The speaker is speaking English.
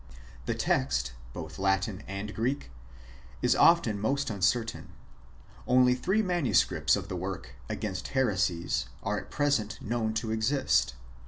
The text, both Latin and Greek, is often most uncertain. Only three MSS. of the work Against Heresies are at present known to exist.